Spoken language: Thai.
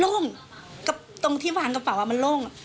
โล่งตรงที่วางกระเป๋ามันโล่ง